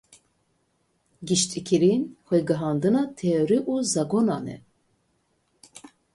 Giştîkirin, xwegihandina teorî û zagonan e.